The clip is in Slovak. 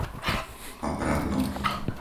Papradno